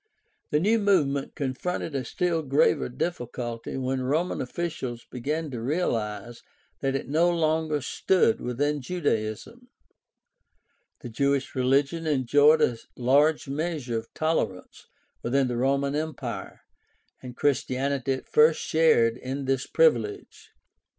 — The new movement con fronted a still graver difficulty when Roman officials began to realize that it no longer stood within Judaism. The Jewish religion enjoyed a large measure of tolerance within the Roman Empire, and Christianity at first shared in this privilege.